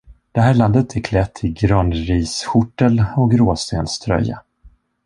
Det här landet är klätt i granriskjortel och gråstenströja.